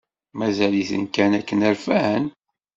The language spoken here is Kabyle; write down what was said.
Mazal-iten kan akken rfan?